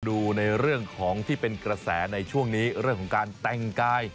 ดูในเรื่องของที่เป็นกระแสในช่วงนี้เรื่องของการแต่งกาย